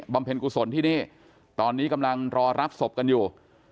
เพ็ญกุศลที่นี่ตอนนี้กำลังรอรับศพกันอยู่